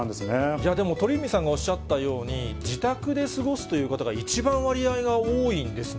じゃあでも、鳥海さんがおっしゃったように、自宅で過ごすという方が一番割合が多いんですね。